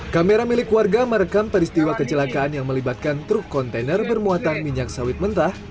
kamera milik warga merekam peristiwa kecelakaan yang melibatkan truk kontainer bermuatan minyak sawit mentah